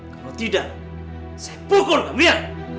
kalau tidak saya pukul kamu ya